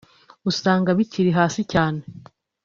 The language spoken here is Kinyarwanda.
usanga bikiri hasi cyane